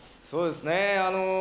そうですねあの。